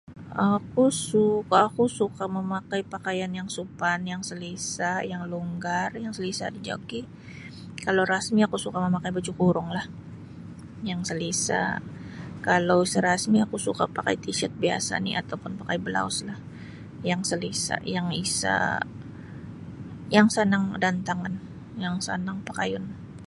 Oku suka' oku suka' mamakai pakaian yang sopan yang selesa' yang longgar yang selesa' dijoki kalau rasmi' oku suka' mamakai baju kurunglah yang selesa' kalau sa' rasmi oku suka pakai t'shirt biasa' oni' atau pun pakai blauslah yang selesa' yang isa' yang sanang da antangan yang sanang pakayun.